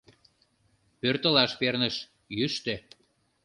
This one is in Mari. Пӧртылаш перныш: йӱштӧ...»